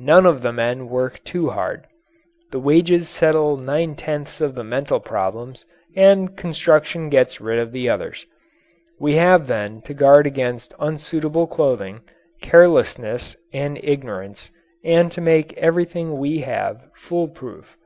None of the men work too hard. The wages settle nine tenths of the mental problems and construction gets rid of the others. We have then to guard against unsuitable clothing, carelessness, and ignorance, and to make everything we have fool proof.